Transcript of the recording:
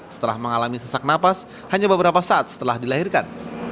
setelah mengalami sesak napas hanya beberapa saat setelah dilahirkan